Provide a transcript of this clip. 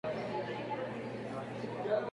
Su lobo huargo se llama Peludo.